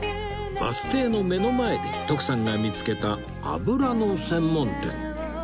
バス停の目の前で徳さんが見つけた油の専門店